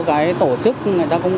để giúp đỡ các người bị bệnh